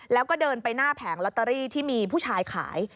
แล้วก็เดินไปหน้าแผงลอตเตอรี่ที่มีผู้ชายขาย